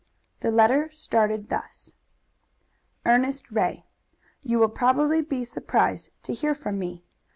The letter started thus: Ernest Ray: You will probably be surprised to hear from me.